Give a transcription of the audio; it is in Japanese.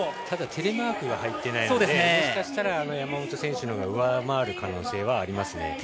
ただテレマークが入っていないのでもしかしたら山本選手のほうが上回る可能性はありますね。